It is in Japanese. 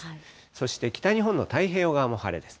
そして北日本の太平洋側も晴れです。